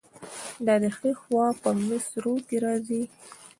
دا د ښي خوا په مصرو کې راځي.